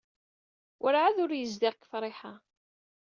Werɛad ur yezdiɣ deg Friḥa.